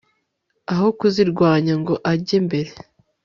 aho kuzirwanya ngo ajye mbere